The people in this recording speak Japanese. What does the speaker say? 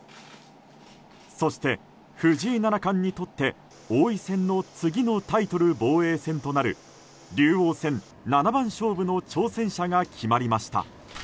そして、藤井七冠にとって王位戦の次のタイトル防衛戦となる竜王戦七番勝負の挑戦者が決まりました。